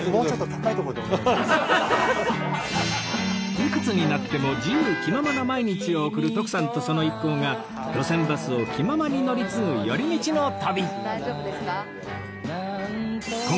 いくつになっても自由気ままな毎日を送る徳さんとその一行が路線バスを気ままに乗り継ぐ寄り道の旅